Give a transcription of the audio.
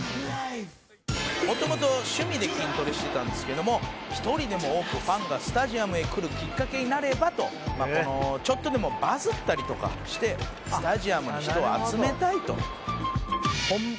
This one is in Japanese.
「元々趣味で筋トレしてたんですけども１人でも多くファンがスタジアムへ来るきっかけになればとちょっとでもバズったりとかしてスタジアムに人を集めたいと」